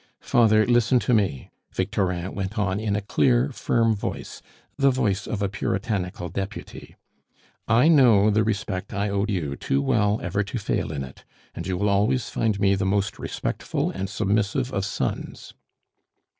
"Father, listen to me," Victorin went on in a clear, firm voice, the voice of a puritanical deputy. "I know the respect I owe you too well ever to fail in it, and you will always find me the most respectful and submissive of sons."